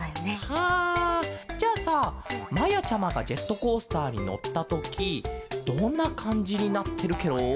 はあじゃあさまやちゃまがジェットコースターにのったときどんなかんじになってるケロ？